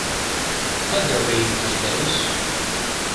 Had there been windows?